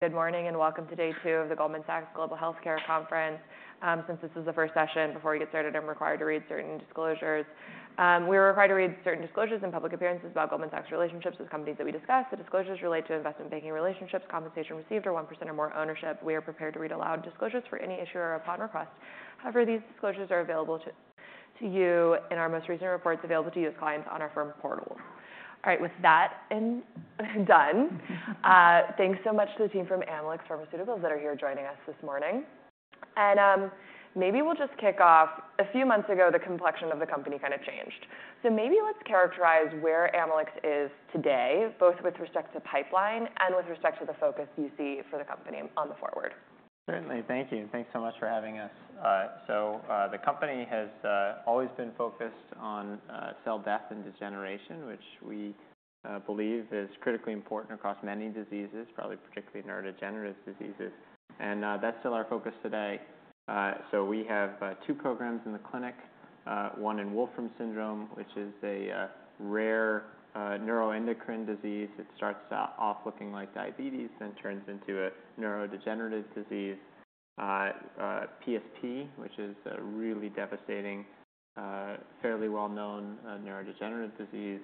Good morning and welcome to day two of the Goldman Sachs Global Healthcare Conference. Since this is the first session, before we get started, I'm required to read certain disclosures. We are required to read certain disclosures and public appearances about Goldman Sachs' relationships with companies that we discuss. The disclosures relate to investment banking relationships, compensation received, or 1% or more ownership. We are prepared to read aloud disclosures for any issue or upon request. However, these disclosures are available to you in our most recent reports available to you as clients on our firm portal. All right, with that done, thanks so much to the team from Amylyx Pharmaceuticals that are here joining us this morning. Maybe we'll just kick off. A few months ago, the complexion of the company kind of changed. Maybe let's characterize where Amylyx is today, both with respect to pipeline and with respect to the focus you see for the company on the forward. Certainly, thank you. Thanks so much for having us. So the company has always been focused on cell death and degeneration, which we believe is critically important across many diseases, probably particularly neurodegenerative diseases. And that's still our focus today. So we have two programs in the clinic, one in Wolfram syndrome, which is a rare neuroendocrine disease. It starts off looking like diabetes, then turns into a neurodegenerative disease. PSP, which is a really devastating, fairly well-known neurodegenerative disease.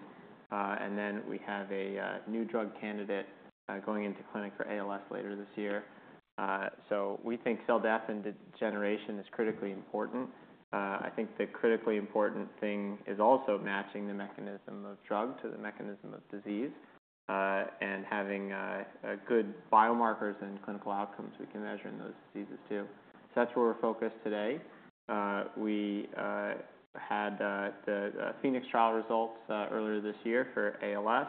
And then we have a new drug candidate going into clinic for ALS later this year. So we think cell death and degeneration is critically important. I think the critically important thing is also matching the mechanism of drug to the mechanism of disease and having good biomarkers and clinical outcomes we can measure in those diseases too. So that's where we're focused today. We had the PHOENIX trial results earlier this year for ALS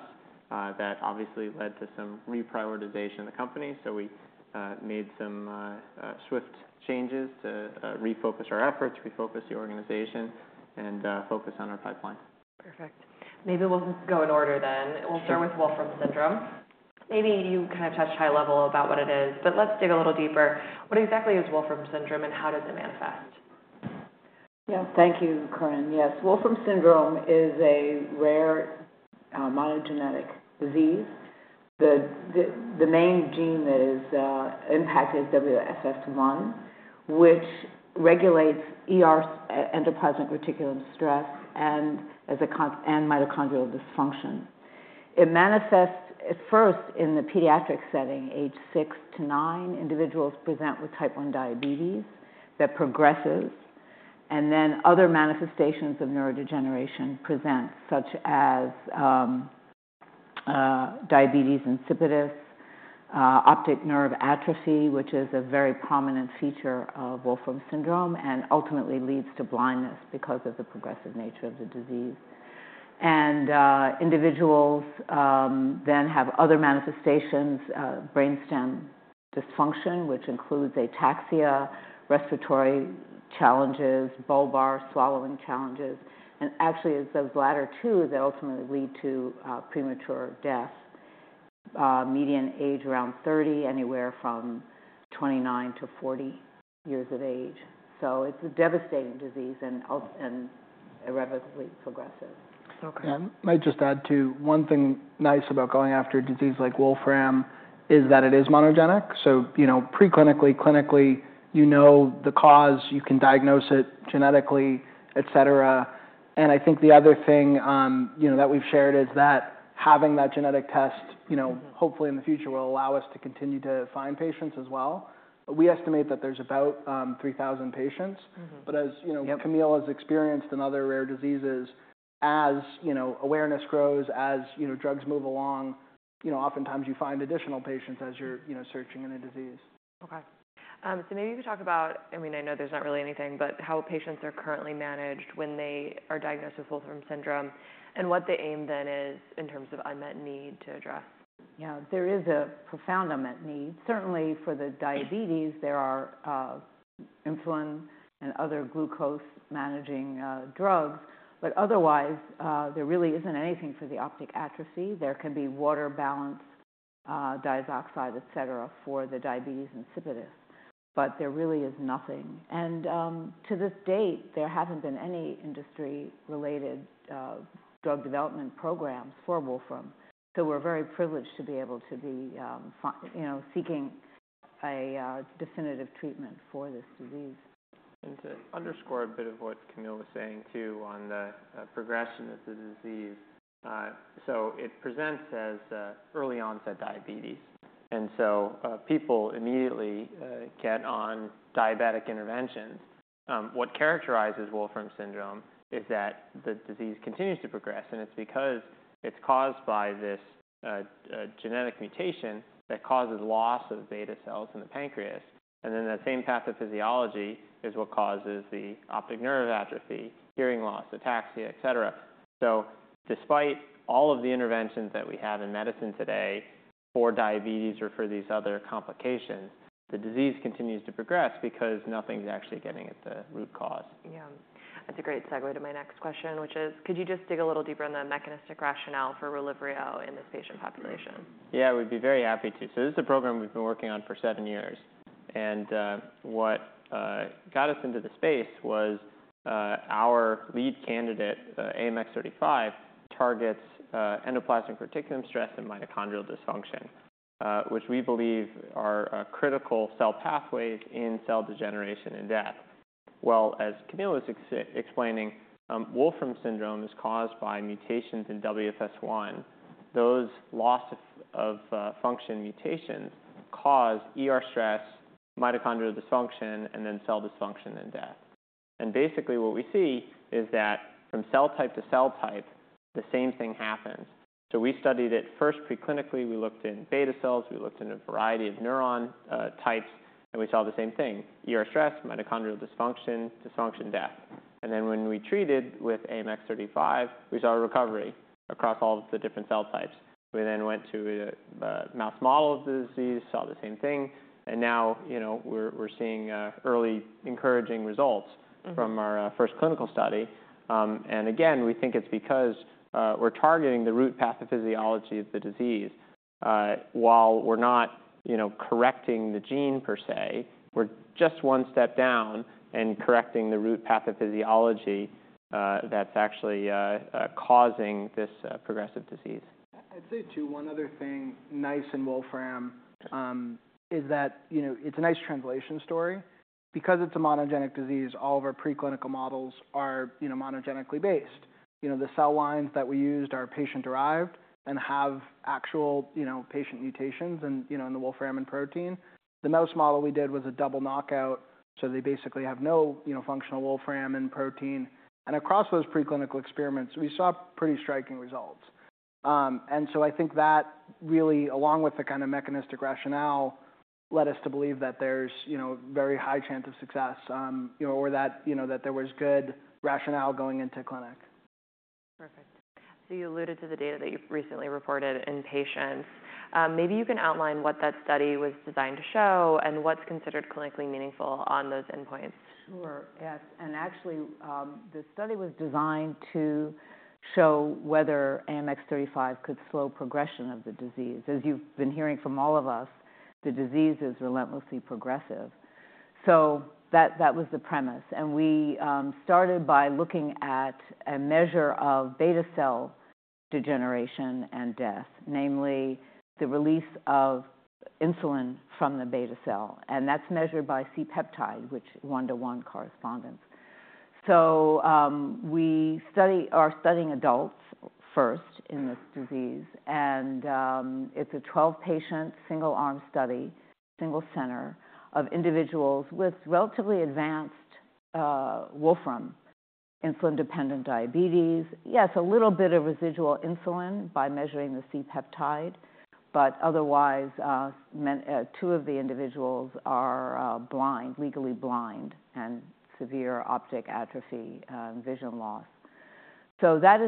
that obviously led to some reprioritization of the company. So we made some swift changes to refocus our efforts, refocus the organization, and focus on our pipeline. Perfect. Maybe we'll go in order then. We'll start with Wolfram syndrome. Maybe you kind of touched high level about what it is, but let's dig a little deeper. What exactly is Wolfram syndrome and how does it manifest? Yeah, thank you, Corinne. Yes, Wolfram syndrome is a rare monogenic disease. The main gene that is impacted is WFS1, which regulates endoplasmic reticulum stress, and mitochondrial dysfunction. It manifests at first in the pediatric setting, age 6-9. Individuals present with type 1 diabetes that progresses, and then other manifestations of neurodegeneration present, such as diabetes insipidus, optic nerve atrophy, which is a very prominent feature of Wolfram syndrome and ultimately leads to blindness because of the progressive nature of the disease. And individuals then have other manifestations, brainstem dysfunction, which includes ataxia, respiratory challenges, bulbar swallowing challenges. And actually, it's those latter two that ultimately lead to premature death, median age around 30, anywhere from 29-40 years of age. So it's a devastating disease and irrevocably progressive. I might just add to one thing nice about going after a disease like Wolfram is that it is monogenic. So preclinically, clinically, you know the cause, you can diagnose it genetically, et cetera. And I think the other thing that we've shared is that having that genetic test, hopefully in the future, will allow us to continue to find patients as well. We estimate that there's about 3,000 patients. But as Camille has experienced in other rare diseases, as awareness grows, as drugs move along, oftentimes you find additional patients as you're searching in a disease. Okay. So maybe you could talk about, I mean, I know there's not really anything, but how patients are currently managed when they are diagnosed with Wolfram syndrome and what the aim then is in terms of unmet need to address. Yeah, there is a profound unmet need. Certainly for the diabetes, there are insulin and other glucose managing drugs. But otherwise, there really isn't anything for the optic atrophy. There can be water balance, diazoxide, et cetera, for the diabetes insipidus. But there really is nothing. And to this date, there haven't been any industry-related drug development programs for Wolfram. So we're very privileged to be able to be seeking a definitive treatment for this disease. To underscore a bit of what Camille was saying too on the progression of the disease, so it presents as early-onset diabetes. So people immediately get on diabetic interventions. What characterizes Wolfram syndrome is that the disease continues to progress. And it's because it's caused by this genetic mutation that causes loss of beta-cells in the pancreas. And then that same pathophysiology is what causes the optic nerve atrophy, hearing loss, ataxia, et cetera. So despite all of the interventions that we have in medicine today for diabetes or for these other complications, the disease continues to progress because nothing's actually getting at the root cause. Yeah. That's a great segue to my next question, which is, could you just dig a little deeper on the mechanistic rationale for RELYVRIO in this patient population? Yeah, we'd be very happy to. So this is a program we've been working on for seven years. And what got us into the space was our lead candidate, AMX0035, targets endoplasmic reticulum stress and mitochondrial dysfunction, which we believe are critical cell pathways in cell degeneration and death. Well, as Camille was explaining, Wolfram syndrome is caused by mutations in WFS1. Those loss of function mutations cause stress, mitochondrial dysfunction, and then cell dysfunction and death. And basically what we see is that from cell type to cell type, the same thing happens. So we studied it first preclinically. We looked in beta-cells. We looked in a variety of neuron types. And we saw the same thing: stress, mitochondrial dysfunction, dysfunction, death. And then when we treated with AMX0035, we saw a recovery across all of the different cell types. We then went to a mouse model of the disease, saw the same thing. Now we're seeing early encouraging results from our first clinical study. Again, we think it's because we're targeting the root pathophysiology of the disease. While we're not correcting the gene per se, we're just one step down in correcting the root pathophysiology that's actually causing this progressive disease. I'd say too, one other thing nice in Wolfram is that it's a nice translation story. Because it's a monogenic disease, all of our preclinical models are monogenically based. The cell lines that we used are patient-derived and have actual patient mutations in the Wolfram protein. The mouse model we did was a double knockout. So they basically have no functional Wolframin protein. Across those preclinical experiments, we saw pretty striking results. So I think that really, along with the kind of mechanistic rationale, led us to believe that there's a very high chance of success or that there was good rationale going into clinic. Perfect. So you alluded to the data that you've recently reported in patients. Maybe you can outline what that study was designed to show and what's considered clinically meaningful on those endpoints? Sure. Yes. And actually, the study was designed to show whether AMX0035 could slow progression of the disease. As you've been hearing from all of us, the disease is relentlessly progressive. So that was the premise. And we started by looking at a measure of beta-cell degeneration and death, namely the release of insulin from the beta-cell. And that's measured by C-peptide, which one-to-one correspondence. So we are studying adults first in this disease. And it's a 12-patient single-arm study, single-center of individuals with relatively advanced Wolfram insulin-dependent diabetes. Yes, a little bit of residual insulin by measuring the C-peptide. But otherwise, two of the individuals are blind, legally blind, and severe optic atrophy and vision loss. So that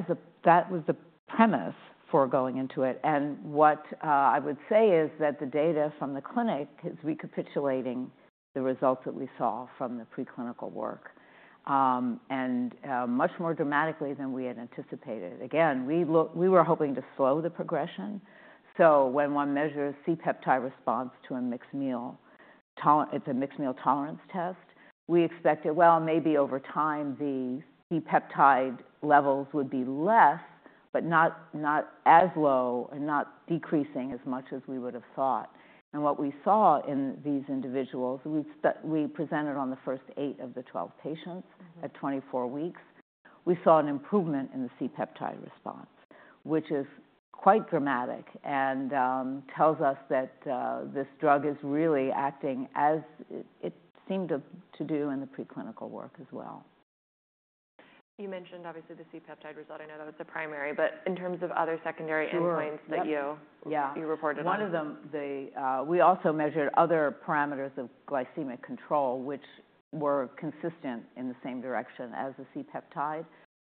was the premise for going into it. What I would say is that the data from the clinic is recapitulating the results that we saw from the preclinical work and much more dramatically than we had anticipated. Again, we were hoping to slow the progression. So when one measures C-peptide response to a mixed meal, it's a mixed meal tolerance test, we expected, well, maybe over time the C-peptide levels would be less, but not as low and not decreasing as much as we would have thought. And what we saw in these individuals, we presented on the first 8 of the 12 patients at 24 weeks, we saw an improvement in the C-peptide response, which is quite dramatic and tells us that this drug is really acting as it seemed to do in the preclinical work as well. You mentioned obviously the C-peptide result. I know that was the primary, but in terms of other secondary endpoints that you reported on. Yeah. We also measured other parameters of glycemic control, which were consistent in the same direction as the C-peptide.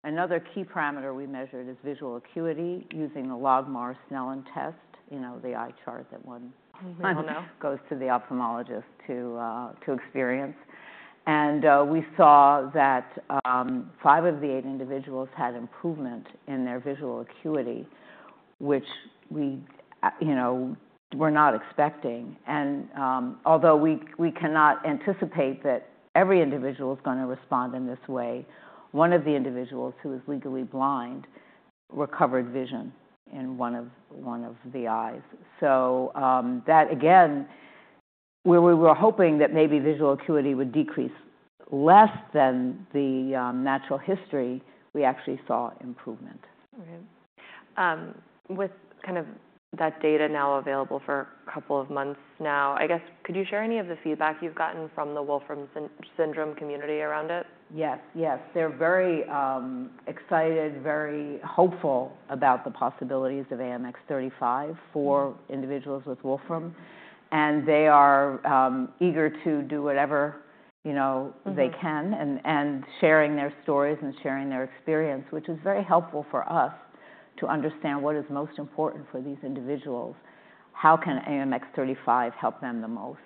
Another key parameter we measured is visual acuity using the LogMAR Snellen test, the eye chart that one goes to the ophthalmologist to experience. We saw that 5 of the 8 individuals had improvement in their visual acuity, which we were not expecting. Although we cannot anticipate that every individual is going to respond in this way, one of the individuals who is legally blind recovered vision in one of the eyes. That, again, where we were hoping that maybe visual acuity would decrease less than the natural history, we actually saw improvement. Right. With kind of that data now available for a couple of months now, I guess, could you share any of the feedback you've gotten from the Wolfram syndrome community around it? Yes, yes. They're very excited, very hopeful about the possibilities of AMX0035 for individuals with Wolfram. And they are eager to do whatever they can and sharing their stories and sharing their experience, which is very helpful for us to understand what is most important for these individuals, how can AMX0035 help them the most?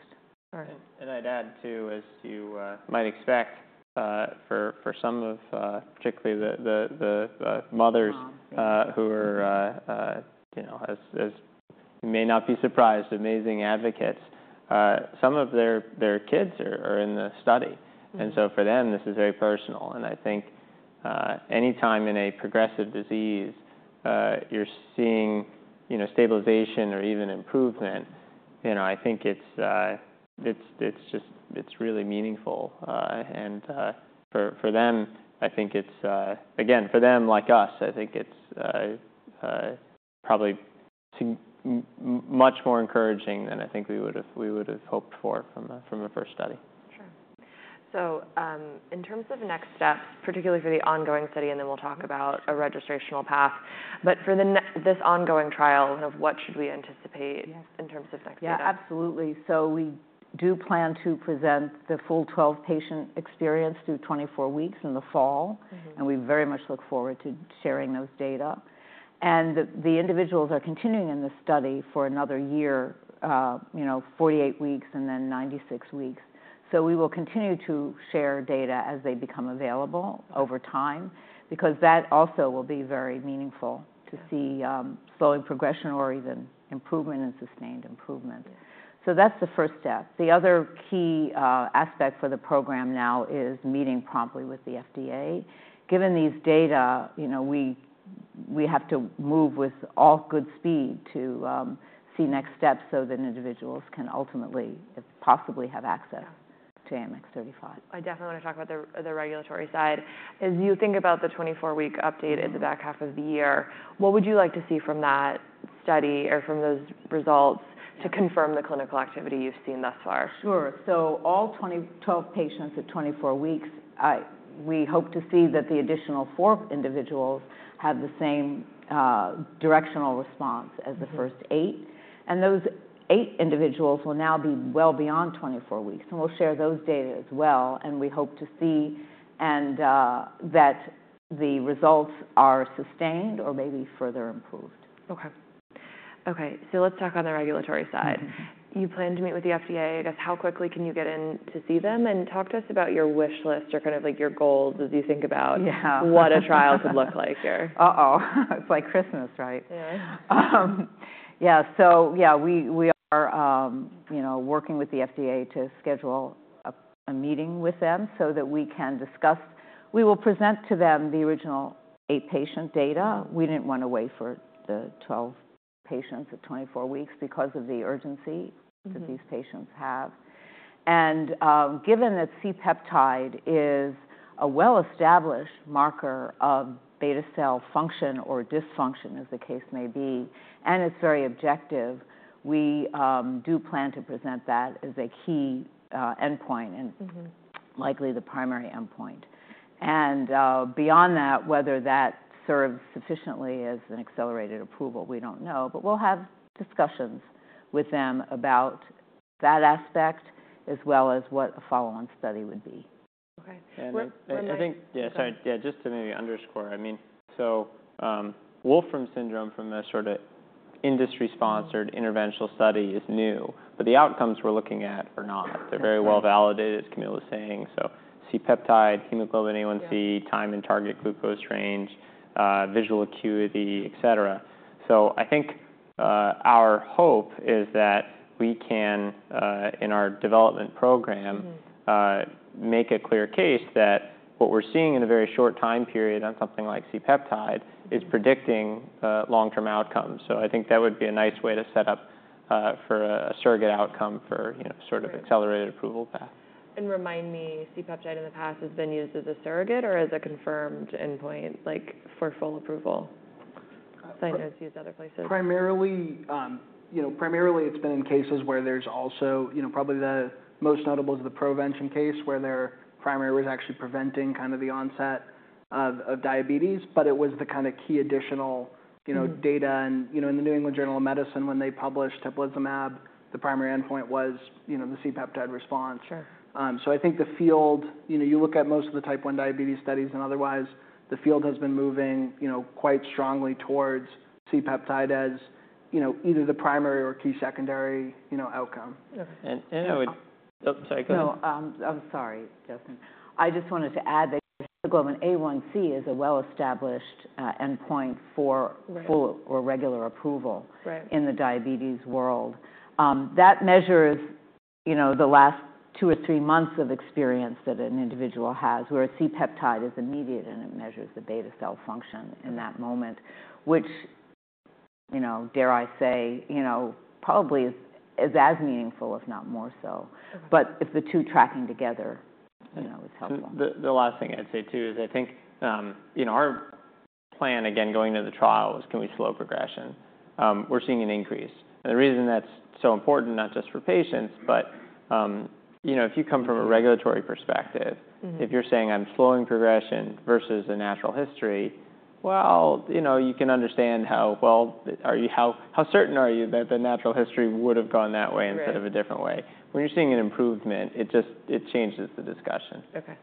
And I'd add too, as you might expect for some of, particularly, the mothers who are, as you may not be surprised, amazing advocates, some of their kids are in the study. And so for them, this is very personal. And I think anytime in a progressive disease, you're seeing stabilization or even improvement, I think it's just really meaningful. And for them, I think it's, again, for them like us, I think it's probably much more encouraging than I think we would have hoped for from the first study. Sure. So in terms of next steps, particularly for the ongoing study, and then we'll talk about a registrational path, but for this ongoing trial, what should we anticipate in terms of next data? Yeah, absolutely. So we do plan to present the full 12-patient experience through 24 weeks in the fall. And we very much look forward to sharing those data. And the individuals are continuing in this study for another year, 48 weeks, and then 96 weeks. So we will continue to share data as they become available over time because that also will be very meaningful to see slowing progression or even improvement and sustained improvement. So that's the first step. The other key aspect for the program now is meeting promptly with the FDA. Given these data, we have to move with all good speed to see next steps so that individuals can ultimately, if possible, have access to AMX0035. I definitely want to talk about the regulatory side. As you think about the 24-week update in the back half of the year, what would you like to see from that study or from those results to confirm the clinical activity you've seen thus far? Sure. So all 12 patients at 24 weeks, we hope to see that the additional four individuals have the same directional response as the first eight. And those eight individuals will now be well beyond 24 weeks. And we'll share those data as well. And we hope to see that the results are sustained or maybe further improved. Okay. Okay. So let's talk on the regulatory side. You plan to meet with the FDA. I guess, how quickly can you get in to see them and talk to us about your wish list or kind of your goals as you think about what a trial could look like? Uh-oh. It's like Christmas, right? Yeah. So yeah, we are working with the FDA to schedule a meeting with them so that we can discuss. We will present to them the original 8-patient data. We didn't want to wait for the 12 patients at 24 weeks because of the urgency that these patients have. And given that C-peptide is a well-established marker of beta-cell function or dysfunction, as the case may be, and it's very objective, we do plan to present that as a key endpoint and likely the primary endpoint. And beyond that, whether that serves sufficiently as an accelerated approval, we don't know. But we'll have discussions with them about that aspect as well as what a follow-on study would be. Okay. And I think, yeah, sorry. Yeah, just to maybe underscore, I mean, so Wolfram syndrome from a sort of industry-sponsored interventional study is new. But the outcomes we're looking at are not. They're very well validated, as Camille was saying. So C-peptide, Hemoglobin A1c, time in target glucose range, visual acuity, et cetera. So I think our hope is that we can, in our development program, make a clear case that what we're seeing in a very short time period on something like C-peptide is predicting long-term outcomes. So I think that would be a nice way to set up for a surrogate outcome for sort of accelerated approval path. Remind me, C-peptide in the past has been used as a surrogate or as a confirmed endpoint for full approval? It's been used in other places. Primarily, it's been in cases where there's also probably the most notable is the Provention case where their primary was actually preventing kind of the onset of diabetes. But it was the kind of key additional data. And in the New England Journal of Medicine, when they published teplizumab, the primary endpoint was the C-peptide response. So I think the field, you look at most of the type 1 diabetes studies and otherwise, the field has been moving quite strongly towards C-peptide as either the primary or key secondary outcome. I would. No. I'm sorry. I just wanted to add that Hemoglobin A1c is a well-established endpoint for full or regular approval in the diabetes world. That measures the last two or three months of experience that an individual has where C-peptide is immediate and it measures the beta-cell function in that moment, which, dare I say, probably is as meaningful, if not more so. But if the two tracking together is helpful. The last thing I'd say too is I think our plan, again, going into the trial was, can we slow progression? We're seeing an increase. And the reason that's so important, not just for patients, but if you come from a regulatory perspective, if you're saying, "I'm slowing progression versus a natural history," well, you can understand how, well, how certain are you that the natural history would have gone that way instead of a different way. When you're seeing an improvement, it changes the discussion. Okay.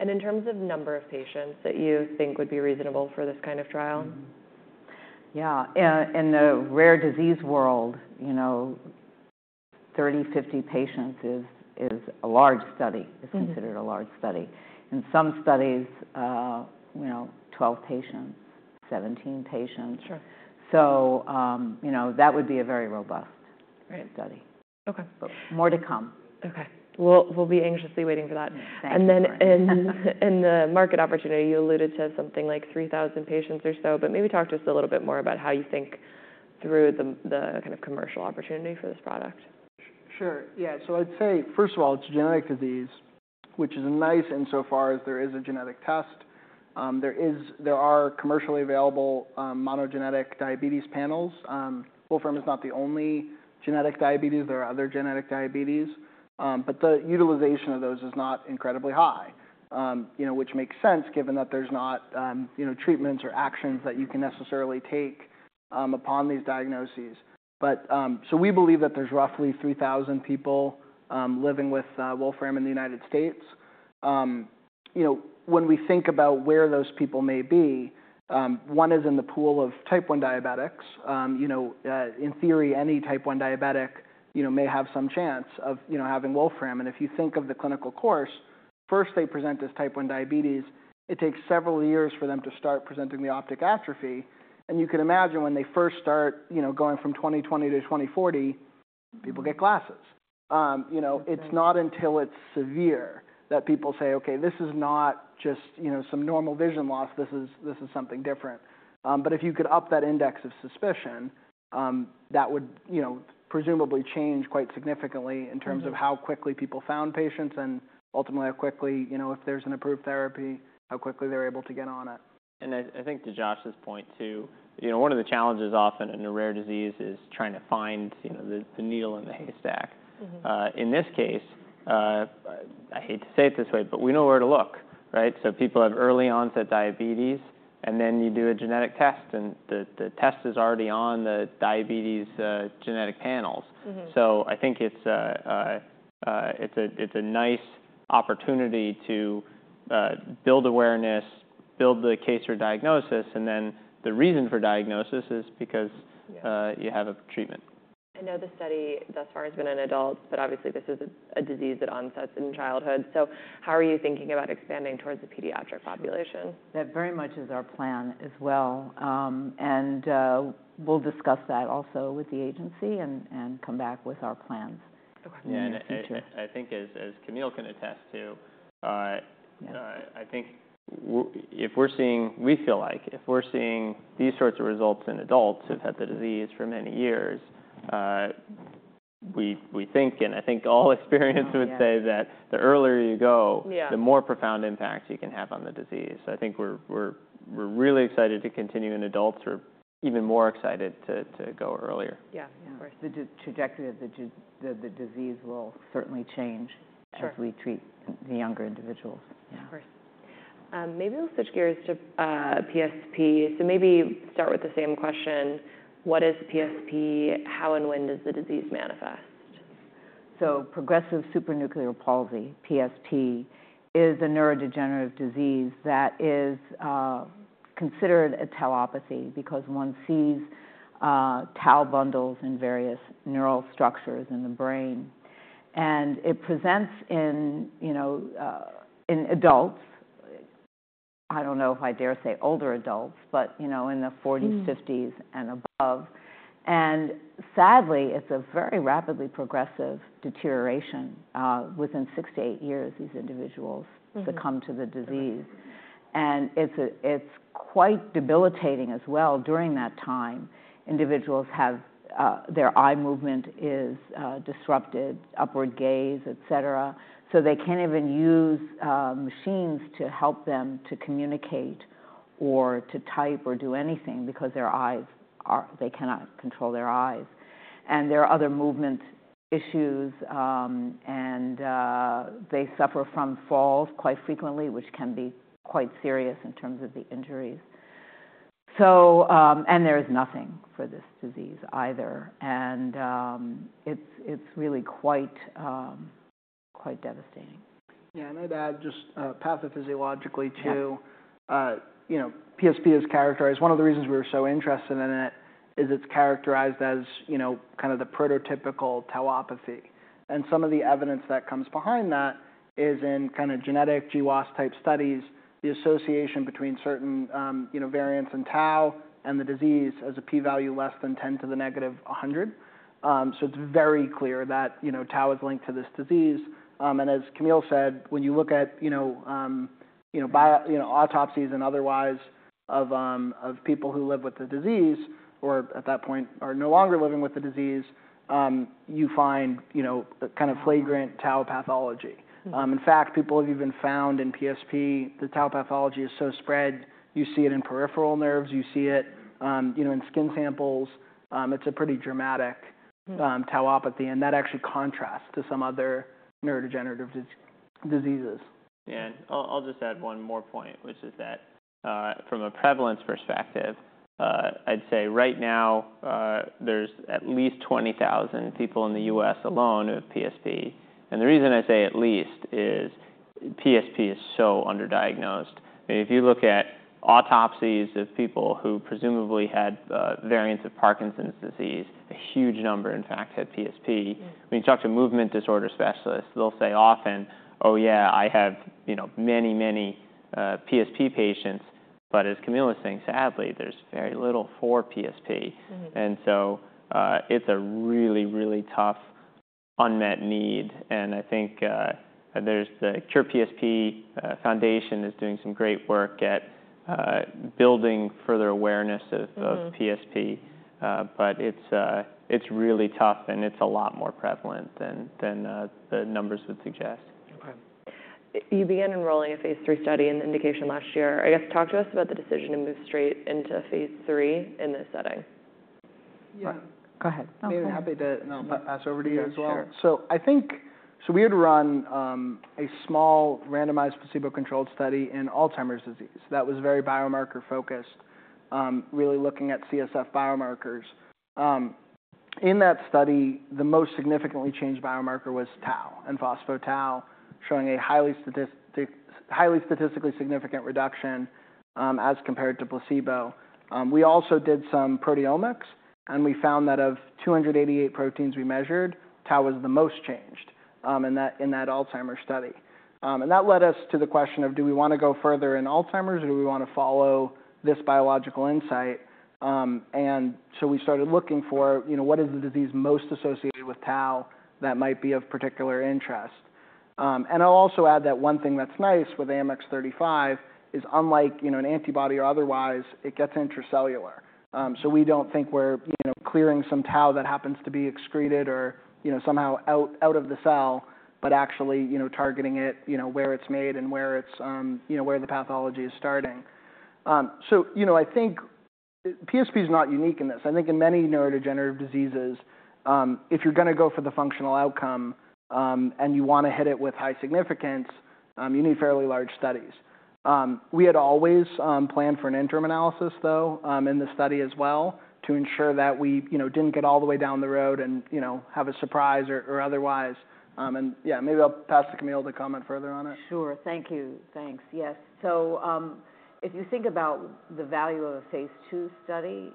In terms of number of patients that you think would be reasonable for this kind of trial? Yeah. In the rare disease world, 30, 50 patients is a large study, is considered a large study. In some studies, 12 patients, 17 patients. So that would be a very robust study. More to come. Okay. We'll be anxiously waiting for that. And then in the market opportunity, you alluded to something like 3,000 patients or so. But maybe talk to us a little bit more about how you think through the kind of commercial opportunity for this product. Sure. Yeah. So I'd say, first of all, it's a genetic disease, which is nice insofar as there is a genetic test. There are commercially available monogenic diabetes panels. Wolfram is not the only genetic diabetes. There are other genetic diabetes. But the utilization of those is not incredibly high, which makes sense given that there's not treatments or actions that you can necessarily take upon these diagnoses. So we believe that there's roughly 3,000 people living with Wolfram in the United States. When we think about where those people may be, one is in the pool of type 1 diabetics. In theory, any type 1 diabetic may have some chance of having Wolfram. And if you think of the clinical course, first they present as type 1 diabetes. It takes several years for them to start presenting the optic atrophy. You can imagine when they first start going from 20/20 to 20/40, people get glasses. It's not until it's severe that people say, "Okay, this is not just some normal vision loss. This is something different." But if you could up that index of suspicion, that would presumably change quite significantly in terms of how quickly people found patients and ultimately how quickly, if there's an approved therapy, how quickly they're able to get on it. I think to Josh's point too, one of the challenges often in a rare disease is trying to find the needle in the haystack. In this case, I hate to say it this way, but we know where to look, right? People have early-onset diabetes, and then you do a genetic test, and the test is already on the diabetes genetic panels. I think it's a nice opportunity to build awareness, build the case for diagnosis, and then the reason for diagnosis is because you have a treatment. I know the study thus far has been in adults, but obviously this is a disease that onsets in childhood. So how are you thinking about expanding towards the pediatric population? That very much is our plan as well. We'll discuss that also with the agency and come back with our plans. Yeah. And I think, as Camille can attest to, I think if we're seeing, we feel like if we're seeing these sorts of results in adults who've had the disease for many years, we think, and I think all experience would say that the earlier you go, the more profound impact you can have on the disease. So I think we're really excited to continue in adults or even more excited to go earlier. Yeah, of course. The trajectory of the disease will certainly change as we treat the younger individuals. Of course. Maybe we'll switch gears to PSP. So maybe start with the same question. What is PSP? How and when does the disease manifest? So progressive supranuclear palsy, PSP, is a neurodegenerative disease that is considered a tauopathy because one sees tau bundles in various neural structures in the brain. It presents in adults. I don't know if I dare say older adults, but in the 40s, 50s, and above. Sadly, it's a very rapidly progressive deterioration. Within 6-8 years, these individuals succumb to the disease. It's quite debilitating as well. During that time, individuals, their eye movement is disrupted, upward gaze, et cetera. So they can't even use machines to help them to communicate or to type or do anything because their eyes, they cannot control their eyes. There are other movement issues. They suffer from falls quite frequently, which can be quite serious in terms of the injuries. There is nothing for this disease either. It's really quite devastating. Yeah. And I'd add just pathophysiologically too, PSP is characterized. One of the reasons we were so interested in it is it's characterized as kind of the prototypical tauopathy. And some of the evidence that comes behind that is in kind of genetic GWAS-type studies, the association between certain variants in tau and the disease as a p-value less than 10 to the negative 100. So it's very clear that tau is linked to this disease. And as Camille said, when you look at autopsies and otherwise of people who live with the disease or at that point are no longer living with the disease, you find kind of flagrant tau pathology. In fact, people have even found in PSP, the tau pathology is so spread, you see it in peripheral nerves, you see it in skin samples. It's a pretty dramatic tauopathy. That actually contrasts to some other neurodegenerative diseases. Yeah. And I'll just add one more point, which is that from a prevalence perspective, I'd say right now there's at least 20,000 people in the U.S. alone with PSP. And the reason I say at least is PSP is so underdiagnosed. I mean, if you look at autopsies of people who presumably had variants of Parkinson's disease, a huge number, in fact, had PSP. When you talk to movement disorder specialists, they'll say often, "Oh yeah, I have many, many PSP patients." But as Camille was saying, sadly, there's very little for PSP. And so it's a really, really tough unmet need. And I think the CurePSP Foundation is doing some great work at building further awareness of PSP. But it's really tough, and it's a lot more prevalent than the numbers would suggest. Okay. You began enrolling in a phase 3 study in the indication last year. I guess, talk to us about the decision to move straight into phase 3 in this setting. Yeah. Go ahead. I'm happy to pass over to you as well. So I think we had run a small randomized placebo-controlled study in Alzheimer's disease. That was very biomarker-focused, really looking at CSF biomarkers. In that study, the most significantly changed biomarker was tau and phosphotau, showing a highly statistically significant reduction as compared to placebo. We also did some proteomics, and we found that of 288 proteins we measured, tau was the most changed in that Alzheimer's study. And that led us to the question of, do we want to go further in Alzheimer's? Do we want to follow this biological insight? And so we started looking for what is the disease most associated with tau that might be of particular interest. And I'll also add that one thing that's nice with AMX0035 is, unlike an antibody or otherwise, it gets intracellular. So we don't think we're clearing some tau that happens to be excreted or somehow out of the cell, but actually targeting it where it's made and where the pathology is starting. So I think PSP is not unique in this. I think in many neurodegenerative diseases, if you're going to go for the functional outcome and you want to hit it with high significance, you need fairly large studies. We had always planned for an interim analysis though in the study as well to ensure that we didn't get all the way down the road and have a surprise or otherwise. And yeah, maybe I'll pass to Camille to comment further on it. Sure. Thank you. Thanks. Yes. So if you think about the value of a phase 2 study,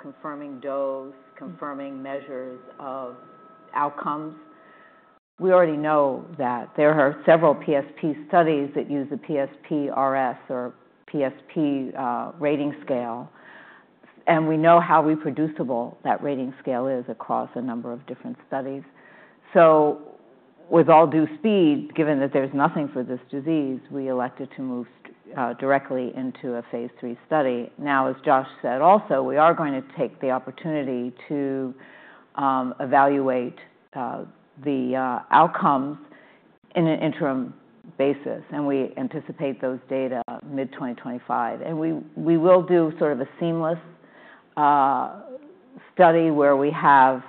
confirming dose, confirming measures of outcomes, we already know that there are several PSP studies that use the PSP-RS or PSP rating scale. And we know how reproducible that rating scale is across a number of different studies. So with all due speed, given that there's nothing for this disease, we elected to move directly into a phase 3 study. Now, as Josh said also, we are going to take the opportunity to evaluate the outcomes in an interim basis. And we anticipate those data mid-2025. And we will do sort of a seamless study where we have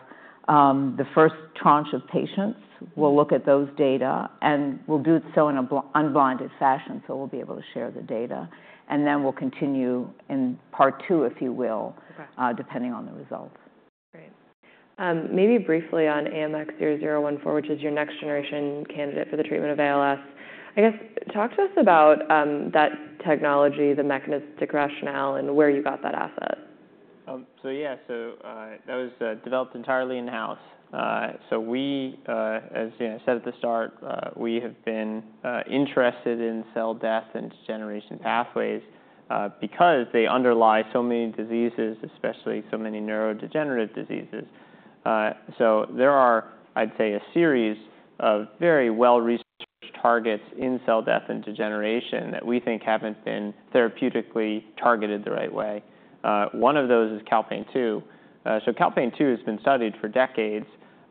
the first tranche of patients. We'll look at those data, and we'll do it so in an unblinded fashion. So we'll be able to share the data. And then we'll continue in part two, if you will, depending on the results. Great. Maybe briefly on AMX0114, which is your next generation candidate for the treatment of ALS. I guess, talk to us about that technology, the mechanistic rationale, and where you got that asset. So yeah, so that was developed entirely in-house. So as I said at the start, we have been interested in cell death and degeneration pathways because they underlie so many diseases, especially so many neurodegenerative diseases. So there are, I'd say, a series of very well-researched targets in cell death and degeneration that we think haven't been therapeutically targeted the right way. One of those is calpain-2. So calpain-2 has been studied for decades.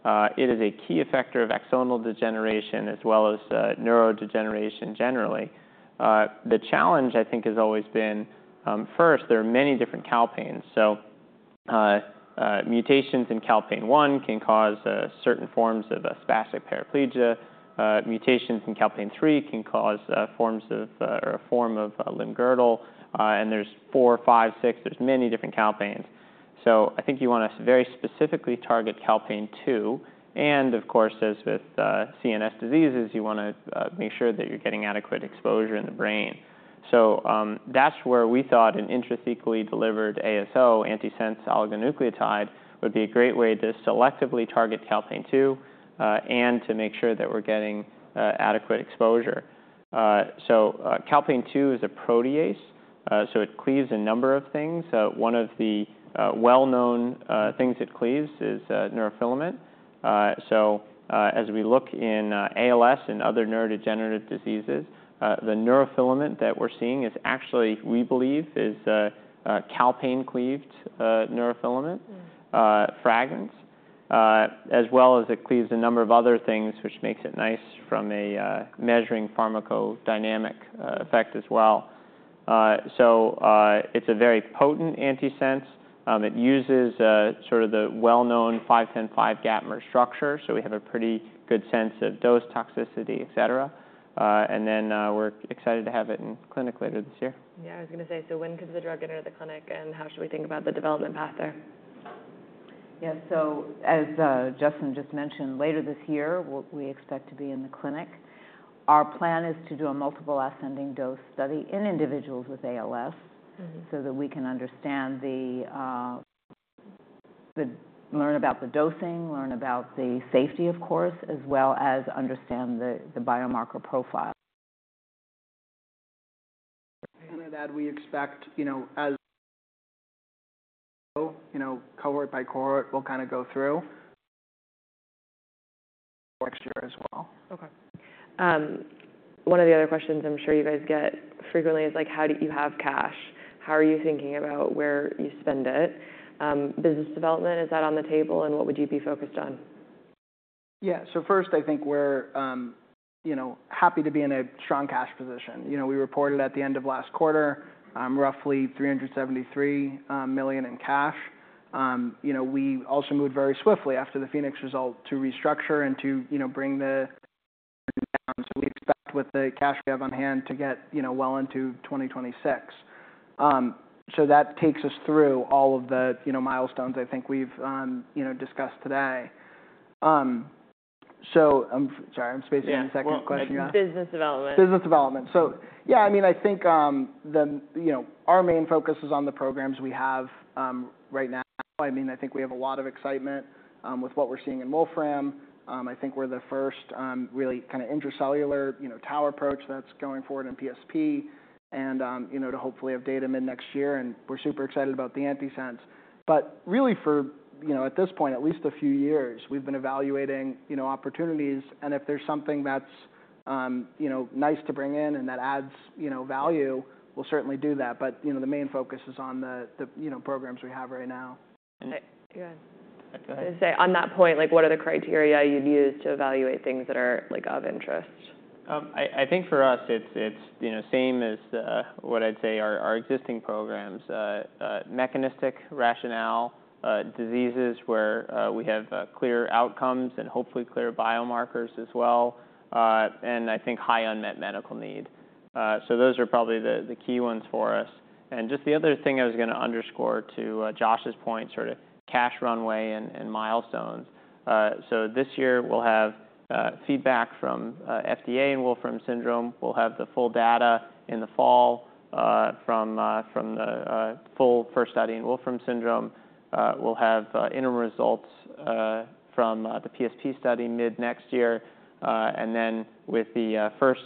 It is a key effector of axonal degeneration as well as neurodegeneration generally. The challenge, I think, has always been, first, there are many different calpains. So mutations in calpain-1 can cause certain forms of spastic paraplegia. Mutations in calpain-3 can cause a form of limb girdle. And there's 4, 5, 6. There's many different calpains. So I think you want to very specifically target calpain-2. And of course, as with CNS diseases, you want to make sure that you're getting adequate exposure in the brain. So that's where we thought an intrathecally delivered ASO, antisense oligonucleotide, would be a great way to selectively target calpain-2 and to make sure that we're getting adequate exposure. So calpain-2 is a protease. So it cleaves a number of things. One of the well-known things it cleaves is neurofilament. So as we look in ALS and other neurodegenerative diseases, the neurofilament that we're seeing is actually, we believe, is calpain-2-cleaved neurofilament fragments, as well as it cleaves a number of other things, which makes it nice from a measuring pharmacodynamic effect as well. So it's a very potent antisense. It uses sort of the well-known 5-10-5 GAPMER structure. So we have a pretty good sense of dose toxicity, et cetera. And then we're excited to have it in clinic later this year. Yeah. I was going to say, so when could the drug enter the clinic? And how should we think about the development path there? Yeah. So as Justin just mentioned, later this year, we expect to be in the clinic. Our plan is to do a multiple ascending dose study in individuals with ALS so that we can understand, learn about the dosing, learn about the safety, of course, as well as understand the biomarker profile. I'd add we expect as cohort by cohort, we'll kind of go through. Texture as well. Okay. One of the other questions I'm sure you guys get frequently is like, how do you have cash? How are you thinking about where you spend it? Business development, is that on the table? And what would you be focused on? Yeah. So first, I think we're happy to be in a strong cash position. We reported at the end of last quarter, roughly 373 million in cash. We also moved very swiftly after the Phoenix result to restructure and to bring the down. So we expect with the cash we have on hand to get well into 2026. So that takes us through all of the milestones I think we've discussed today. So I'm sorry, I'm spacing out. Yeah. Business development. Business development. So yeah, I mean, I think our main focus is on the programs we have right now. I mean, I think we have a lot of excitement with what we're seeing in Wolfram. I think we're the first really kind of intracellular tau approach that's going forward in PSP and to hopefully have data mid-next year. And we're super excited about the antisense. But really for at this point, at least a few years, we've been evaluating opportunities. And if there's something that's nice to bring in and that adds value, we'll certainly do that. But the main focus is on the programs we have right now. Go ahead. Go ahead. I was going to say, on that point, what are the criteria you'd use to evaluate things that are of interest? I think for us, it's the same as what I'd say our existing programs, mechanistic rationale, diseases where we have clear outcomes and hopefully clear biomarkers as well, and I think high unmet medical need. So those are probably the key ones for us. And just the other thing I was going to underscore to Josh's point, sort of cash runway and milestones. So this year, we'll have feedback from FDA and Wolfram syndrome. We'll have the full data in the fall from the full first study in Wolfram syndrome. We'll have interim results from the PSP study mid-next year. And then with the first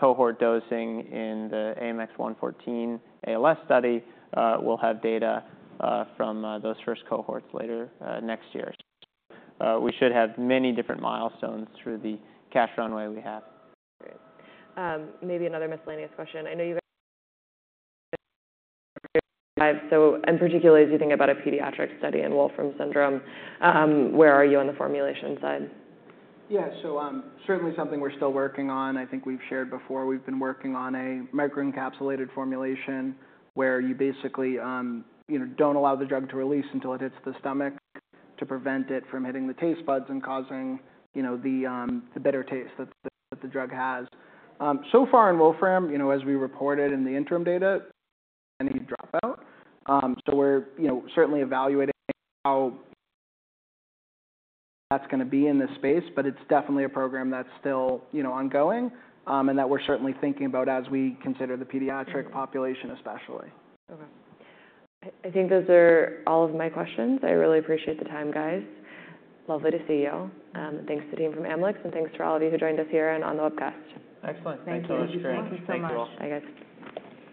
cohort dosing in the AMX0114 ALS study, we'll have data from those first cohorts later next year. So we should have many different milestones through the cash runway we have. Great. Maybe another miscellaneous question. I know you guys so in particular, as you think about a pediatric study in Wolfram syndrome, where are you on the formulation side? Yeah. So certainly something we're still working on. I think we've shared before. We've been working on a microencapsulated formulation where you basically don't allow the drug to release until it hits the stomach to prevent it from hitting the taste buds and causing the bitter taste that the drug has. So far in Wolfram, as we reported in the interim data, any dropout. So we're certainly evaluating how that's going to be in this space. But it's definitely a program that's still ongoing and that we're certainly thinking about as we consider the pediatric population, especially. Okay. I think those are all of my questions. I really appreciate the time, guys. Lovely to see you. Thanks to the team from Amylyx. Thanks for all of you who joined us here and on the webcast. Excellent. Thank you. Thank you so much. Thank you so much. Thank you all. I guess.